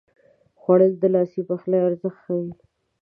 خوړل د لاسي پخلي ارزښت ښيي